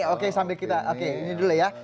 oke sambil kita oke ini dulu ya